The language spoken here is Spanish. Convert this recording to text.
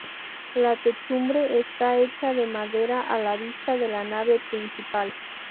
La techumbre esta hecha de madera a la vista de la nave principal.